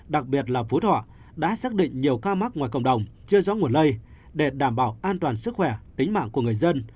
đặc biệt là phú thọ đã xác định nhiều ca mắc ngoài cộng đồng chưa rõ nguồn lây để đảm bảo an toàn sức khỏe tính mạng của người dân